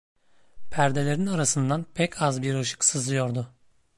Perdelerin arasından pek az bir ışık sızıyordu.